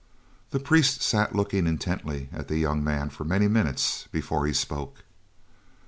The priest sat looking intently at the young man for many minutes before he spoke.